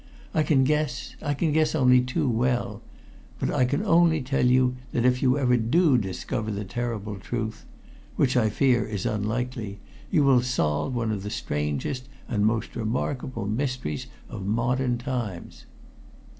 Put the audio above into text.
I can guess I can guess only too well but I can only tell you that if you ever do discover the terrible truth which I fear is unlikely you will solve one of the strangest and most remarkable mysteries of modern times."